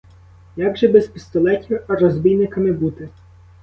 Як же без пістолетів розбійниками бути?!